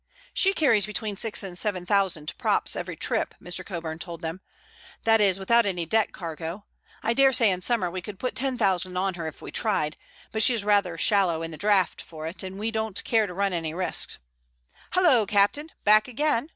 "She carries between six and seven thousand props every trip," Mr. Coburn told them, "that is, without any deck cargo. I dare say in summer we could put ten thousand on her if we tried, but she is rather shallow in the draught for it, and we don't care to run any risks. Hallo, captain! Back again?"